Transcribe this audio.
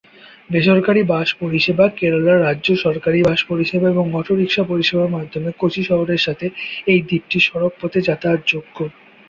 বেসরকারি বাস পরিষেবা, কেরালা রাজ্য সরকারি বাস পরিষেবা এবং অটোরিকশা পরিষেবার মাধ্যমে কচি শহরের সাথে এই দ্বীপটি সড়কপথে যাতায়াত যোগ্য।